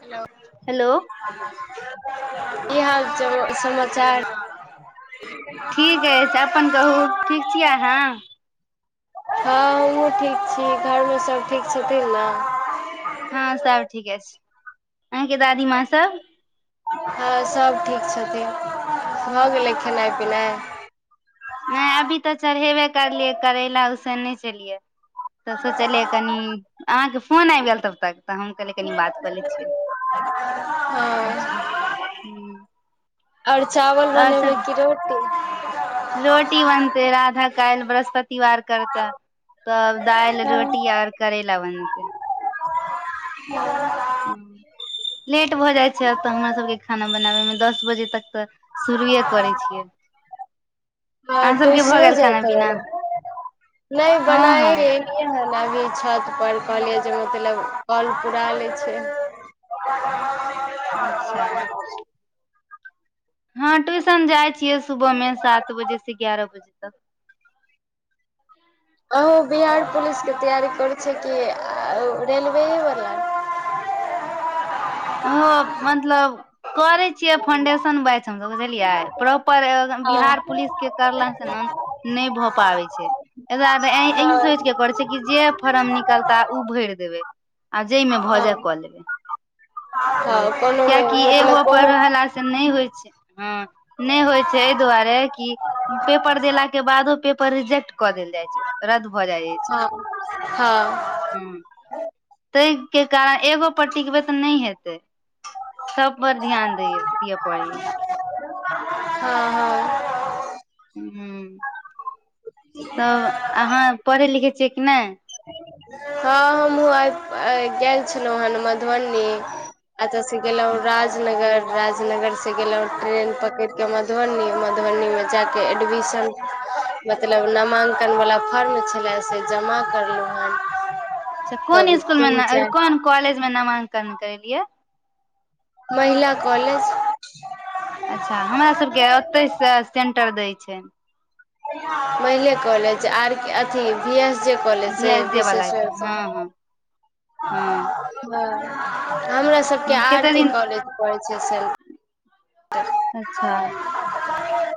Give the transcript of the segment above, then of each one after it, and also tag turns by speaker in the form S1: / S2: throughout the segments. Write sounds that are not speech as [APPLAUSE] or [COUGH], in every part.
S1: Hello
S2: hello
S1: की हाल छै हो समाचार
S2: ठीक ऐछ अपन कहू ठीक छिये अहाँ
S1: हा हमहुँ ठीक छी घर में सब ठीक छथिन नऽ
S2: हा सब ठीके छै अहाँंके दादी माँ सब
S1: हँ सब ठीक छथिन भऽ गेलै खेनाइ पिनाइ
S2: नय अभी तऽ चढ़ेबे करलियै करैला उसने छैलियै तऽ सोचलियै कनि अहाँके फोन आइब गेल तब तक तऽ हम कहलियै कनि बात कऽ लै छियै
S1: [INAUDIBLE] हँऽ
S2: हूँ
S1: आर चावल
S2: तऽ आओर
S1: बनेबै
S2: सब
S1: की रोटी
S2: रोटी बनते राधा काएल बृहस्पतिवार करता तब दाइल
S1: हँ
S2: रोटी आर करैला बनतै
S1: [INAUDIBLE]
S2: लेट भऽ जाइ छै तऽ हमरा सबके खाना बनाबै में दस बजे तक तऽ शुरुए करै छियै
S1: आ
S2: अहाँ सबके भऽ
S1: टुएसनो
S2: गेल खाना
S1: जाएत जेबै
S2: पीना
S1: नऽ नय
S2: हँ हँ
S1: बनाएब [INAUDIBLE] मतलब कॉल पूराइ ले छिय
S2: अच्छा हँ ट्यूशन जाइ छियै सुबह मे सात बजे से ग्यारह बजे तक
S1: अहों बिहार पुलिस के तैयारी करै छै कि रेलवेयेवला
S2: ओ मतलब करै छियै फाउंडेशन बैच हमसभ बुझलियै प्रॉपर
S1: हँ
S2: बिहार पुलिसके करला सऽ नऽ नय भऽ पाबै छै एहि दुआर ऐ एहि
S1: हँ
S2: सोच करै जे फारम निकलता उ भैर देबे आ जँ मे भऽ जाय
S1: हँ
S2: कऽ लेबै
S1: हँ
S2: ह
S1: कोनो
S2: कियकि
S1: मतलब
S2: एगो पर
S1: कोनो
S2: रहला से नय होइ छै हँ नय होइ छै ऐय दुआरे कि पेपर दे लाे बादो पे पर रिजेक्ट कऽ देल जाय छै रद्द भऽ जाय छै
S1: हँ हँ
S2: [UNINTELLIGIBLE] तैय केँ कारण एगो पर टिकबे तऽ नै हेतै सब पर ध्यान दै दिअ पड़ै है
S1: [UNINTELLIGIBLE]
S2: हु [INAUDIBLE] तब अहाँ पढ़ै लिखै छियै कि नै
S1: [UNINTELLIGIBLE] अत स गेलै
S2: अच्छा
S1: राज राजनगर राजनगर से गेलौं ट्रेन पकड़िक मधुबनी मधुबनी में जै केँ एडमिशन मतलब नामांकन वला फॉर्म छलै से जमा कलरू हन [UNINTELLIGIBLE]
S2: छ कोन इसकुल में कोन कॉलेज में नामांकन करेलियै
S1: महिला कॉलेज
S2: अच्छा हमरा सब केँ ओतय स सेंटर दै छै
S1: महिले कॉलेज आर केँ भी एस जे कॉलज
S2: भी
S1: से
S2: एस जे वाला
S1: विशेष [UNINTELLIGIBLE]
S2: के हँ हँ
S1: [UNINTELLIGIBLE]
S2: हँ
S1: ह हमरा सबके आर
S2: कते
S1: के
S2: दिन
S1: कॉलेज पढ़ै छै सेलफ
S2: अच्छा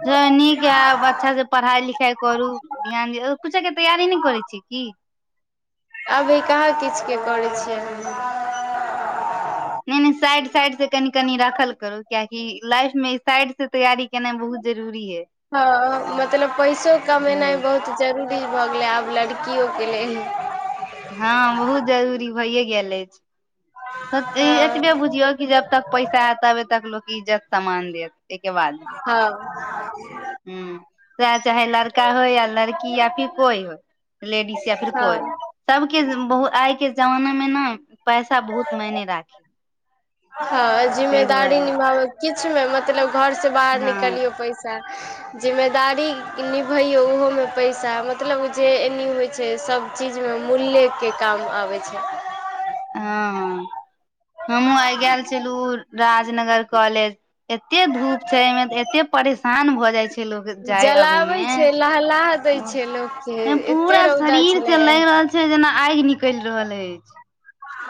S2: ज नीक है अच्छा से पढ़ाई लिखाई करू ध्यान दऔ कुछै केँ तैयारी नै करै छियै की
S1: अभी कहाँ किछ केँ करै छियै
S2: नै नै साइड साइड से कनि कनि राखल करू कियकि लाइफ में साइड से तैयारी केनाइ बहुत जरूरी है
S1: हँ मतलब पैसो कमेनै
S2: ह
S1: बहुत जरूरी भऽ गेलै आब लड़कियो कें लेल
S2: हँ बहुत जरूरी भैए गेल अछि [INAUDIBLE] एतबे
S1: हँ
S2: बुझियौ कि जब तक पैसा ऐत तबे तक लोक इज्जत सामान देत आए केँ बाद
S1: [UNINTELLIGIBLE]
S2: हु सेह चाहे लड़का होय या लड़की या फिर कोइ होय लेडीस या फिर कोइ
S1: हँ
S2: सब केँ आइ केँ जमाना मे ने पैसा बहुत मायने राखे
S1: हँ जिम्मेदारी निभाब किछ मे मतलब घर से बाहर
S2: हँ
S1: निकलियौ पैसा [UNINTELLIGIBLE] जिम्मेदारी निभैयऔ ओहोमे पैसा मतलब जे एनी होइ छै सब चीज में मूल्य केँ काम आबै छै
S2: हऽ हमहूँ आइ गेल छलुँ राजनगर कॉलेज एते धूप छै आए में तऽ एते परेशान भऽ जाय छै लोक
S1: जलाबै छै लहलाह दै छै लोक कें एते
S2: पूरा
S1: रौदा
S2: शरीर
S1: छलै
S2: से
S1: आए
S2: लागि रहल छै जेना आइग निकैल रहल ऐछ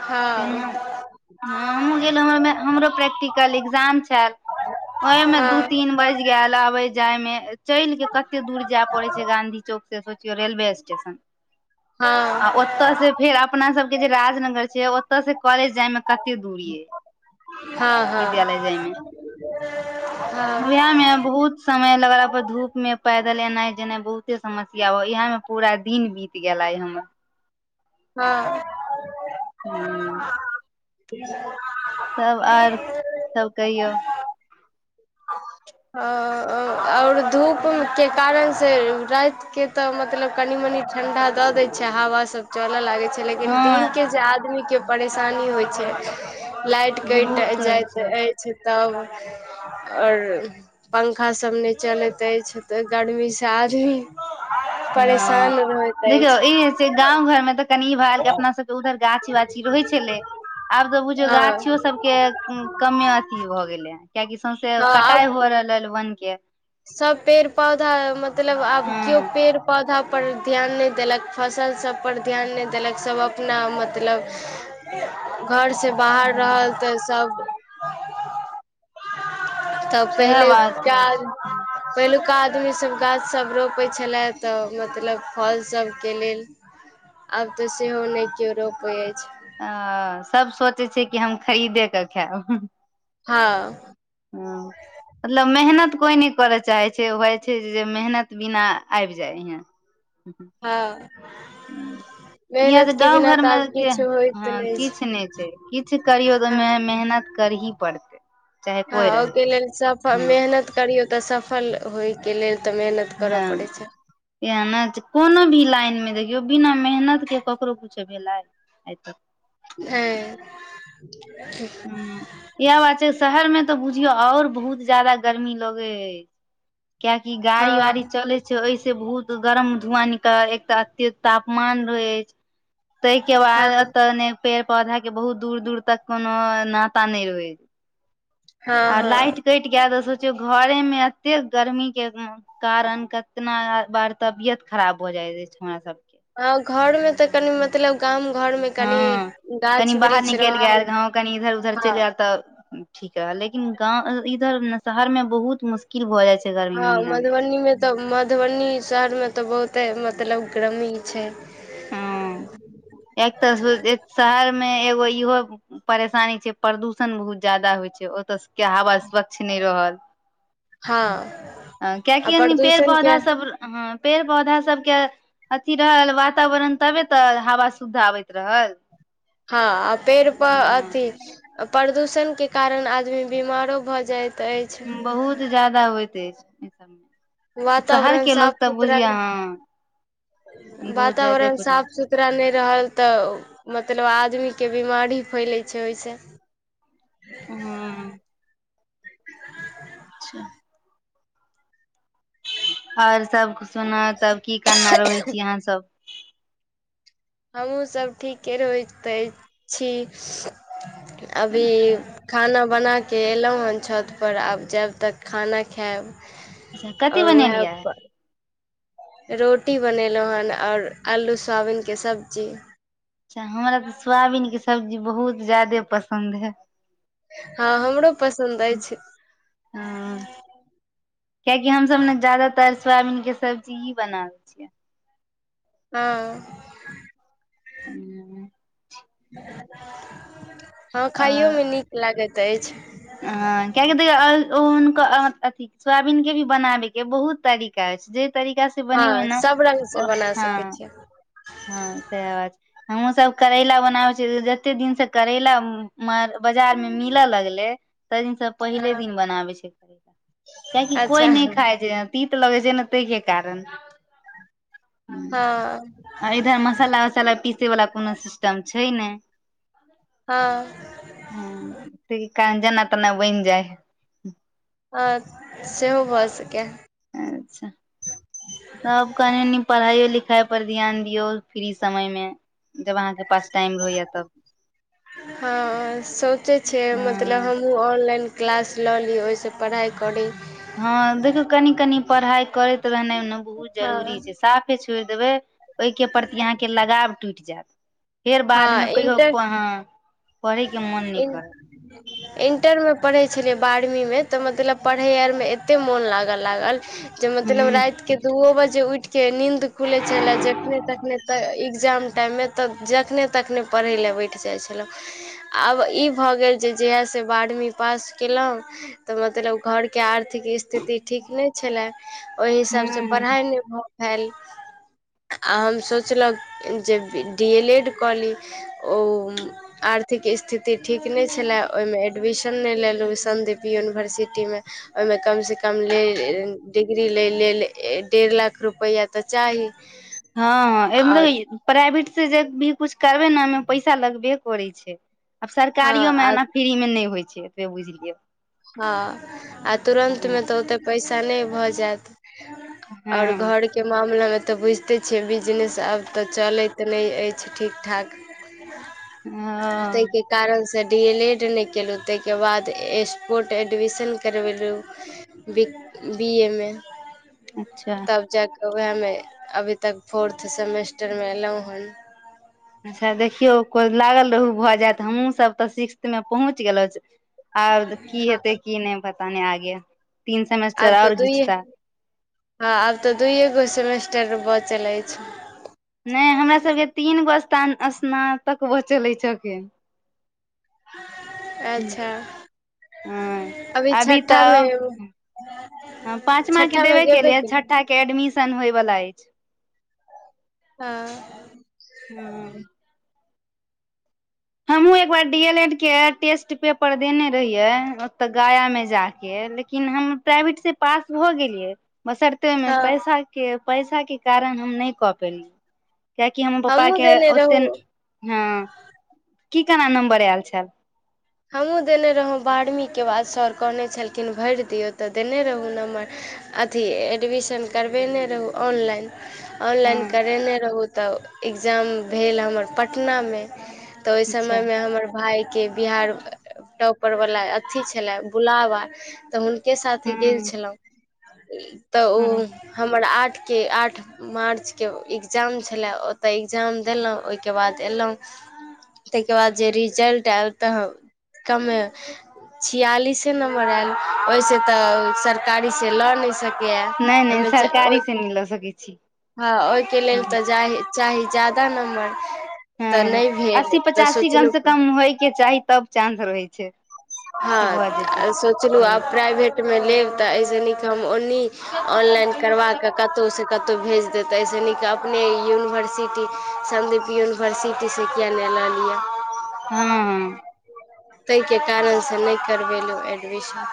S1: हँ
S2: तेन म [INAUDIBLE] हऽ हमहूँ गेल रहूँ हम हमरो प्रैक्टिकल एग्जाम छैल ओइ में दू
S1: हँ
S2: तीन बाइज गेल अबै जाय में चैल केँ कते दूर जै पड़ै छै गांधी चौक से सोचियौ रेलवे स्टेशन
S1: [INAUDIBLE]
S2: आ
S1: हँ
S2: ओत से फेर अपना सब केँ जे राजनगर छै ओतऽ से कॉलेज जाय म कते दूर ये
S1: हँ
S2: [INAUDIBLE]
S1: हँ
S2: विद्यालय जाय मे
S1: [UNINTELLIGIBLE]
S2: वैह में ए बहुत समय लगलाा पर धूप में पैदल एनाय जेनाय बहुते समस्या हो इहा में पूरा दिन बीत गेला हमर
S1: हँ
S2: हू
S1: [INAUDIBLE]
S2: तब आर सब कहियौ
S1: आओर धूप के कारन से राति के त मतलब कनी मनी ठंढ़ा द दै छै हवा सब चलऽ लागै छै लेकिन
S2: हँ
S1: दिनके जे आदमी के परेशानी होइ छै लाइट कटि
S2: बहुत होइ
S1: जाइत
S2: छै
S1: अछि तब आओर पंखा सभ नहि चलैत अछि तऽ गर्मी स आदमी
S2: हँ
S1: परेशान होइत ऐछ
S2: देखियौ ई गाँंव घर मे तऽ कनि इ भेल के अपना सब के उधर गाछी- वाछी रहै छलै आब तऽ बुझियौ
S1: हँ
S2: गाछियो सब के कमे अथी भ गेले हे कियाकि सौंसे
S1: हँ आब
S2: कटाई भऽ रहल हे वन के
S1: सब पेड़ पौधा मतलब आब केओ
S2: हँ
S1: पेड़ पौधा पर ध्यान नहि देलक फसल सभ पर ध्यान नहि देलक सभ अपना मतलब घरसँ बाहर रहल
S2: हँ
S1: तऽ सभ तब
S2: सएह
S1: पहिले
S2: बात
S1: काज
S2: अछि
S1: पहिलुका आदमी सभ गाछ सभ रोपैत छलय तऽ मतलब फल सभके लेल आब तऽ सेहो नहि केओ रोपैत ऐछ
S2: अ सब सोचै छै कि हम खरीदे क खायब
S1: हँ
S2: हँ मतलब मेहनत कोइ नै करय चाहै छै होइ छै जे मेहनत बिना आबि जाइ हे [INAUDIBLE]
S1: हँ
S2: हू येह जे
S1: मेहनत के
S2: गाँंव
S1: बिना
S2: घर
S1: तऽ
S2: मे
S1: आब
S2: के
S1: किछु होइत
S2: हँ
S1: नहि
S2: किछ नै छै किछ करियौ तऽ मे
S1: हँ
S2: मेह मेहनत करही पड़तै चाहे
S1: हँ
S2: कोइ रहै
S1: ओहिके लेल सफल
S2: हँ
S1: मेहनत करियौ तऽ सफल होयके लेल तऽ मेहनत करऽ
S2: हँ
S1: पड़ै छै
S2: इहे ने जे कोनो भी लाइन मे देखियौ बिना मेहनत के ककरो किछो भेलै आय तक
S1: एय
S2: ह इएह बात छै शहर मे तऽ बुझियौ आओर बहुत जादा गरमी लगै कियाकि गाड़ी वाड़ी
S1: हँ
S2: चलै ओहिसे बहुत गरम धुआं निकल एकटा अत्ते तापमान रहै अछि ताहिके बाद
S1: हँ
S2: एतऽ ने पेड़ -पौधा के बहुत दूर -दूर तक कोनो नाता नय रहै आर लाइट
S1: हँ
S2: कटि जाय त सोचियौ घरे में एते गरमी के कारन केतना बार तबियत खराब भऽ जाइत ऐछ हमरा सब के
S1: आ घर मे तऽ कनि म
S2: हँ कनी
S1: गाछ
S2: बाहर
S1: वृक्ष
S2: निकलि गेल
S1: रहल
S2: गाॅव कनि इधर उधर
S1: हँ
S2: चलि गेल तऽ ठीक रहल लेकिन गाँव इधर शहरमे बहुत मुश्किल भऽ जाइ छै गरमी
S1: हँ
S2: महीना मे
S1: मधुबनी तऽ मधुबनी शहरमे तऽ बहुते मतलब गर्मी छै
S2: हँ एक तर शहरमे एगो इहो परेशानी छै प्रदूषण बहुत ज्यादा होइ छै ओत स केँ हवा स्वच्छ नै रहल
S1: हँ
S2: [INAUDIBLE] [INAUDIBLE]
S1: आ
S2: कियकि पेड़
S1: प्रदूषण के
S2: पौधा सभ ह पेड़ पौधा सब केँ अथी रहल वातावरण तबे तऽ हवा शुद्ध अबैत रहल
S1: हँ आ पेड़ प
S2: ह
S1: अथी प्रदूषण केँ कारण आदमी बीमारो भऽ जाइत ऐछ
S2: बहुत ज्यादा होइत ऐछ ऐ सब में
S1: वातावरण साफ सुथरा [INAUDIBLE]
S2: बहुत ज्यादे
S1: वातावरण
S2: बुझ
S1: साफ सुथरा। सुथरा नै रहल तऽ मतलब आदमी केँ बीमारी फैलै छै ओइ स
S2: हु [UNINTELLIGIBLE] ओर सब सुना तब की करना रहै छी अहाँ सब
S1: हमहूँ सभ ठीके रहै तहै छी अभी खाना बना केँ एलौ है छत पर आब जैब तऽ खाना खैब
S2: अच्छा कथी बनेलियै
S1: रोटी बनैलौ हन और आलू सोयाबीन केँ सब्जी
S2: अच्छा हँ हमरा तऽ सोयाबीन केँ सब्जी बहुत ज्यादे पसन्द है
S1: हँ हमरो पसन्द ऐछ
S2: [UNINTELLIGIBLE] कियाकि हम सब न ज्यदातर सोयाबीन केँ सब्जी ही बनैब
S1: [UNINTELLIGIBLE]
S2: [UNINTELLIGIBLE]
S1: [UNINTELLIGIBLE] हँ रवैयो में नीक लागैत ऐछ
S2: हऽ किया की [UNINTELLIGIBLE] सोयाबीन केँ भी बनाबे केँ बहुत तरीका ऐछ जै तरीका से
S1: हँ
S2: बनैबै न
S1: सब रंग
S2: [INAUDIBLE]
S1: से
S2: ओ
S1: बना सकै
S2: हऽ
S1: छियै
S2: हँ सैह बात छै हमहुँ सब करैला बनाबै छी जते दिन से करैला मार बाजार में मिले लगले तै दिन सब पहिले
S1: हँ
S2: दिन बनाबै छै करैला किय कि कोई
S1: अच्छा
S2: नै खाय छै तीत लगै छै न तैय केँ कारण।
S1: हऽ
S2: आ इधर मसाला वसाला पीसे वला कोनो सिस्टम छै नै
S1: हँ
S2: हु तै कान जेना तना बन जाइ है
S1: हँ सेहो भऽ सकै
S2: अच्छा तब कनि मनी पढ़ाईयो लिखाई पर ध्यान दियऔ फ्री समय में जब अहाँकेँ
S1: [UNINTELLIGIBLE] हँ सोचे छियै मतलब
S2: ह
S1: हम हमहुँ ऑनलाइन क्लास लऽ ली ओइ स पढ़ाई करी
S2: हँ देखियौ कनि कनि पढ़ाई करैत रहनाइ ओने बहुत जरूरी छै
S1: हँ
S2: सा फे छोड़ देबै ओइ केँ प्रति अहाँ केँ लगाव टूट जैत फेर बाद
S1: हँ
S2: में कहियो प
S1: इन्टर
S2: हऽ [INAUDIBLE] पढ़े केँ मोन नै करत
S1: [UNINTELLIGIBLE] इंटर में पड़ै छलियै बारहवी में तऽ मतलब पढ़ै आर में एते मोन लाग लागल जे मतलब
S2: ह
S1: राइत केँ दूओ बजे उठ केँ नींन्द खुले छलै जखने तखने तऽ एग्जाम टाइममे तऽ जखने तखने पढ़ै लए बैठ जाइ छलहुँ आब ई भऽ गेल जे जहियासँ बारहमी पास कयलहुँ तऽ मतलब घरके आर आर्थिक स्थिति ठीक नहि छलै ओहि हिसाबसँ
S2: ह
S1: पढ़ाइ नहि भऽ भेल आ हम सोचल जे डी एल एड कऽ ली ओम आर्थिक स्थिति ठीक नहि छलय ओहिमे एडमिशन नहि लेलहुँ सन्दीप यूनिवर्सिटीमे ओहिमे कम से कम कम लेल डिग्री लै लेल डेढ़ लाख रुपैआ तऽ चाही
S2: हँ
S1: आ
S2: अमहरो प्राइवेट से जे भी कुछ करबे ने ओहिमे पैसा लगबे करै छै आब
S1: हँ
S2: सरकारियो मे
S1: आ
S2: एना फ्री मे नय होइ छै एतबे बुझलियै
S1: हँ आ तुरन्त मे तऽ ओते पैसा नय भऽ जायत और घर के मामला मे तऽ बुझते देखते छीय बिजनेस आब तऽ चलैत नय अछि ठीक ठाक ताय
S2: हँ
S1: के कारण से डी एल एड नय केलहु ताहि के बाद एस कोर्ट एडमिशन करबेलहुँ बीक बी ए मे
S2: अच्छा
S1: तब जाकऽ उएहमे अभी तक फोर्थ सेमेस्टरमे एयलहुँ हन
S2: अच्छा देखियौ को लागल रहू भऽ जायत हमहूँ सब तऽ सिक्स्थ मे पहुँच गेलहु आब की
S1: हँ
S2: हेतै की नय पता नय आगे तीन सेमेस्टर
S1: आब तऽ
S2: आओर
S1: दुइ
S2: घिचता
S1: हँ आब तऽ दुूइए गो सेमेस्टर बचलै अइछ
S2: नय हमरा सबके तीन गो स्न स्नातक बचल अइछ अखैन ह
S1: अच्छा
S2: ह अभी तऽ ह पाँचव के
S1: छठामे
S2: देबे के
S1: गेबे
S2: लिए
S1: केलहुँ
S2: छठा के एडमिशन होयवला अछि
S1: हँ।
S2: हँ। हमहुूँ एक बार डी एल एड के टेस्ट पेपर देने रहियै ओते गया में जा के ले लेकिन हम प्राइवेटसँ पास भऽ गेलियै बसरते मे
S1: हँ
S2: पैसा के पैसा के कारण हम नय कऽ पेलिय कियाकि हमर पापा
S1: हमहूँ
S2: के
S1: देने
S2: ओते
S1: रहू
S2: ह की केना नम्बर आयल छल
S1: हमहूँ देने रहौँ बारहवींके बाद सर कहने छलखिन भरि दियौ तऽ देने रहौ नम्बर अथी एडमिशन करबेने रहू ऑनलाइन ऑनलाइन
S2: हँ
S1: करयने रहू तऽ एक्जाम भेल हमर पटना मे तऽ ओय
S2: अच्छा
S1: समय मे हमर भायके बिहार टॉपर वला अथी छलए बुलाबा तऽ हुनके साथे
S2: हँ
S1: गेल छलहुं तऽ ओ
S2: हँ
S1: हमर आठ के आठ मार्चके एक्जाम छलय ओतय एकक्जाम देलहुँ ओहिके बाद अयलहुँ तय के बाद जे रिजल्ट आयल तऽ कमे छिआलिसे नम्बर आयल ओहि सँ तऽ सरकारी से लऽ नय सकैय किए ओय मे ओ म
S2: ल सकै छी
S1: त ओहिके लेल
S2: हँ
S1: तऽ जा चाही जादा नम्बर तऽ
S2: हँ
S1: नहि भेल
S2: अस्सी
S1: तऽ
S2: पचासी कम से
S1: सोचलहुँ
S2: कम होइ के चाही तब चानंस रहै छै की भऽ जेतै
S1: हँ सोचलहु
S2: हँ
S1: आब प्राइभेटमे लेब तऽ एहिसँ नीक हम ओ नी ऑनलाइन करबा कऽ कतो स कतो भेज देत ओए से निक अपने युनिवर्सिटी संदीप युनिवर्सिटी यूनिवर्सिटी सँ किएक नय लऽ लिअ
S2: हाऽ
S1: तेयके कारण सँ नय करबेलो एडमिशन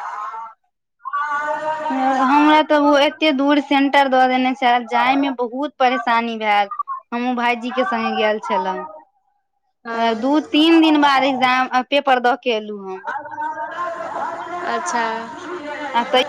S2: हां हमरा तऽ ओ एते दूर सेंटर दऽ देने छेल जाय मे बहुत परेशानी भेल हमहु भाईजी के सङ्गे गेल छलो
S1: हँ
S2: दू तीन दिन बाद एग्जाम पेपर दऽ के एलो हम
S1: अच्छा
S2: [UNINTELLIGIBLE] आ तऽ